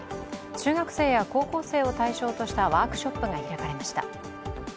中学生や高校生を対象としたワークショップが開かれました。